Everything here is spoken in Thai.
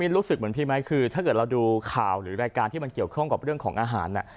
รู้สึกเหมือนพี่ไหมคือถ้าเกิดเราดูข่าวหรือรายการที่มันเกี่ยวข้องกับเรื่องของอาหาร